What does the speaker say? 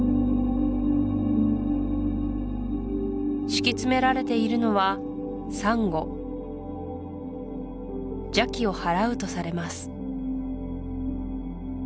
敷き詰められているのはサンゴ邪気を払うとされます